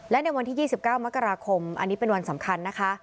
ในวันที่๒๙มกราคมเป็นวันสำคัญนะคะ